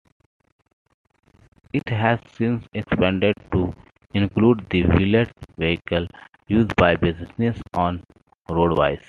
It has since expanded to include the wheeled vehicles used by businesses on roadways.